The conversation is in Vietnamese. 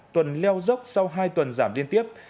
tuần leo dốc sau hai tuần giảm liên tiếp